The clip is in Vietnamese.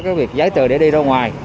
cái việc giấy từ để đi ra ngoài